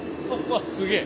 すげえ。